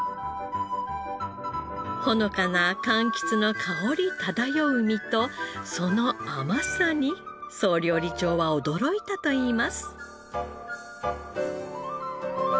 ほのかな柑橘の香り漂う身とその甘さに総料理長は驚いたといいます。